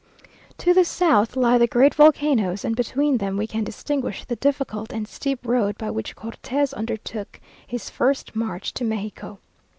To the south lie the great volcanoes, and between them we can distinguish the difficult and steep road by which Cortes undertook his first march to Mexico.